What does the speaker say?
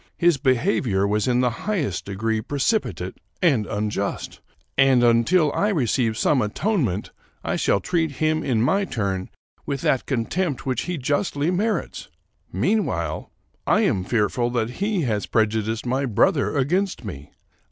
His behavior was in the highest degree precipitate and unjust, and, until I receive some atonement, I shall treat him, in my turn, with that contempt which he justly merits; mean while, I am fearful that he has prejudiced my brother against me.